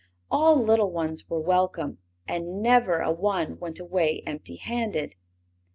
All little ones were welcome, and never a one went away empty handed.